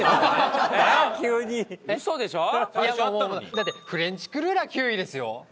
だってフレンチクルーラー９位ですよ？